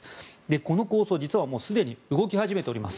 この構想、実はもうすでに動き始めております。